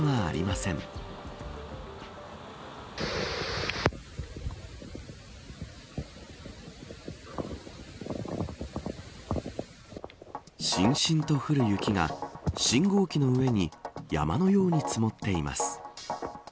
しんしんと降る雪が信号機の上に山のように積もっています。